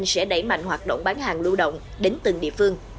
sẽ đẩy mạnh hoạt động bán hàng lưu động đến từng địa phương